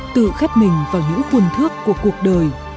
tự khép mình vào những khuôn thước của cuộc đời